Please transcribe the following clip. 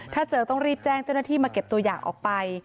ถ้าเจอต้องรีบแจ้งเจ้าหน้าที่มาเก็บตัวอย่างออกไป